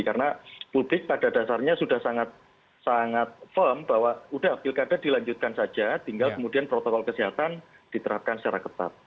karena publik pada dasarnya sudah sangat firm bahwa udah pilkada dilanjutkan saja tinggal kemudian protokol kesehatan diterapkan secara ketat